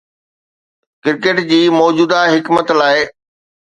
cricket جي موجوده حڪمت لاء